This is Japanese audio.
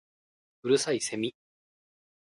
五月蠅いセミ